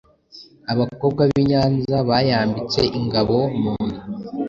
abakobwa b’I Nyanza bayambitse ingabo mu nda,